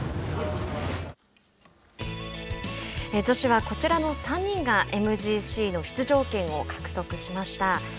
女子は、こちらの３人がＭＧＣの出場権を獲得しました。